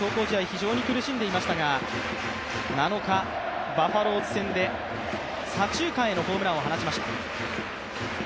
非常に苦しんでいましたが７日、バファローズ戦で左中間へのホームランを放ちました。